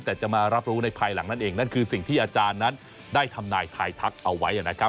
แต่จะมารับรู้ในภายหลังนั่นเองนั่นคือสิ่งที่อาจารย์นั้นได้ทำนายทายทักเอาไว้นะครับ